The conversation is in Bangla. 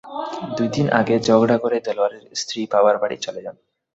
দুই দিন আগে ঝগড়া করে দেলোয়ারের স্ত্রী বাবার বাড়ি চলে যান।